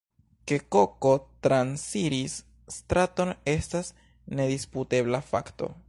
Ke koko transiris straton estas nedisputebla fakto.